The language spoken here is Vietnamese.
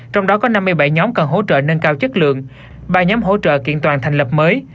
trong đó có năm mươi bảy nhóm cần hỗ trợ nâng cao chất lượng ba nhóm hỗ trợ kiện toàn thành lập mới